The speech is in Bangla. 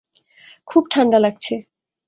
খুব ঠাণ্ডা লাগছে।